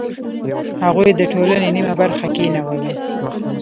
هغوی د ټولنې نیمه برخه کینوله.